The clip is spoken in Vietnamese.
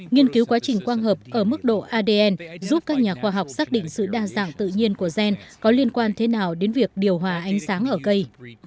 nghiên cứu quá trình quang hợp ở mức độ adn giúp các nhà khoa học xác định sự đa dạng tự nhiên của gen có liên quan thế nào đến việc điều hòa ánh sáng ở cây